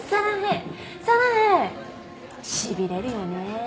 しびれるよね。